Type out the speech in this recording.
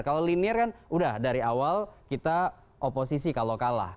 kalau linear kan udah dari awal kita oposisi kalau kalah